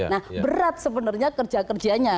nah berat sebenarnya kerja kerjanya